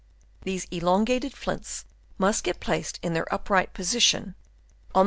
These elongated flints must get placed in their upright position, Chap.